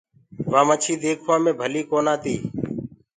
وآ مڇي ديکوآ مي ڀلي ڪونآ تي۔